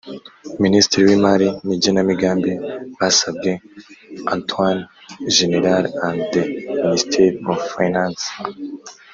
minisitiri w imari n igenamigambi basabwe attorney general and the minister of finance